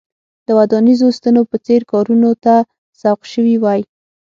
د ودانیزو ستنو په څېر کارونو ته سوق شوي وای.